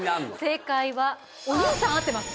正解はお兄さん合ってます